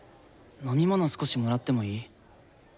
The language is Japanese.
飲み物少しもらってもいい？